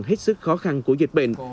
hết sức khó khăn của dịch bệnh